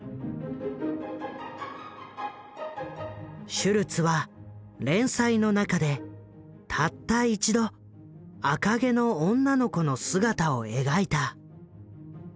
シュルツは連載の中でたった一度赤毛の女の子の姿を描いた。